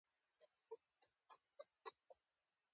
کوږ نظر تل منفي وي